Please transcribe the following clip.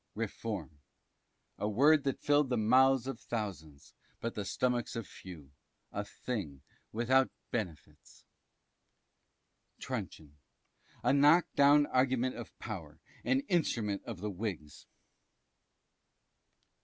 Reform. A word that filled the mouths of thousands, but the stomachs of few; a thing without benefits. Truncheon. A knock down argument of power, an instrument of the Whigs.